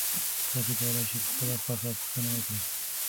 تاسي کولای شئ په خپله خوښه پوښتنه وکړئ.